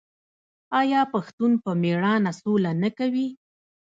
آیا پښتون په میړانه سوله نه کوي؟